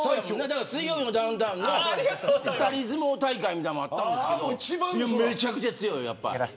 水曜日のダウンタウンで２人相撲大会みたいなものもあったんですけどめちゃくちゃ強い。